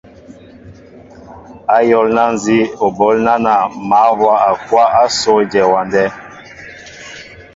Ayólná nzí o ɓoól nánȃ mă wóʼakwáʼ ásó éjem ewándέ.